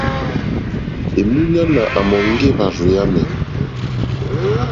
Èmúɲánà àmɔ̀ŋɡɔ́ éhwàrzù yámì.